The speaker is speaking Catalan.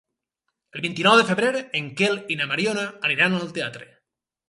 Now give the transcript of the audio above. El vint-i-nou de febrer en Quel i na Mariona aniran al teatre.